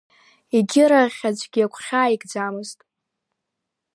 Егьырахь, аӡәгьы агәхьаа икӡамызт.